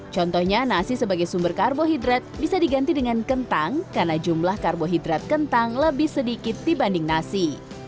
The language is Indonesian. contohnya nasi sebagai sumber karbohidrat bisa diganti dengan kentang karena jumlah karbohidrat kentang lebih sedikit dibanding nasi